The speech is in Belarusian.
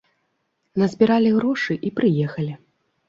Назбіралі грошы і прыехалі.